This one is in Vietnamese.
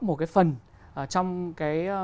một cái phần trong cái